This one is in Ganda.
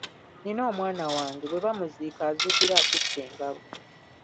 Nina omwana wange bwe bamuziika azuukira akutte engabo.